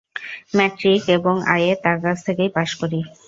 Matric এবং IA তাঁর কাছে থেকেই পাস করি।